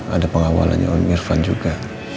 ada pengawalannya om irfan juga